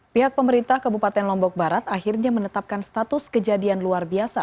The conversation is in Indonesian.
pihak pemerintah kabupaten lombok barat akhirnya menetapkan status kejadian luar biasa